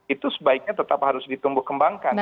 itu sebaiknya tetap harus ditumbuh kembangkan